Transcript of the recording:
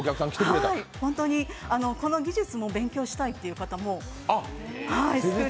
本当にこの技術も勉強したいという方も。